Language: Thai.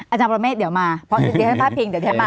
อาจารย์ประเมฆเดี๋ยวมาเดี๋ยวผมฟ่าปิง